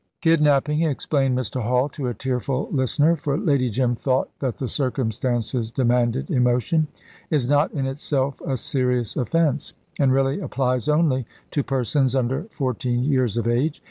"Kidnapping," explained Mr. Hall, to a tearful listener for Lady Jim thought that the circumstances demanded emotion "is not in itself a serious offence, and really applies only to persons under fourteen years of age.